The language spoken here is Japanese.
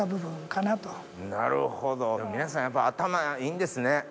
なるほど皆さんやっぱ頭いいんですね。